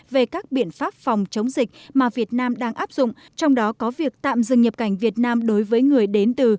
về các biện pháp phòng chống dịch mà việt nam đang áp dụng trong đó có việc tạm dừng nhập cảnh việt nam đối với người đến từ